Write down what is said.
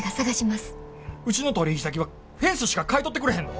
うちの取引先はフェンスしか買い取ってくれへんぞ。